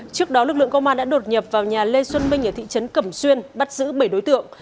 trước đó lực lượng công an đã đột nhập vào nhà lê xuân minh ở thị trấn cẩm xuyên bắt giữ bảy đối tượng